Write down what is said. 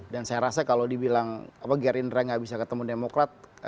dan saya rasa kalau dibilang apa gerindra gak bisa ketemu demokrat